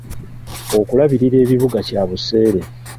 Okulabirira ebibuga kya buseere.